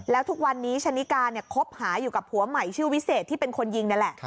แล้วทุกวันนี้ชะนิกาเนี่ยคบหาอยู่กับผัวใหม่ชื่อวิเศษที่เป็นคนยิงนี่แหละ